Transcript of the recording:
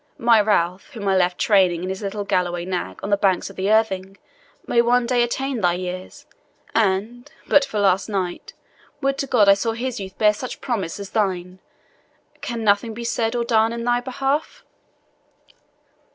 My Ralph, whom I left training his little galloway nag on the banks of the Irthing, may one day attain thy years, and, but for last night, would to God I saw his youth bear such promise as thine! Can nothing be said or done in thy behalf?"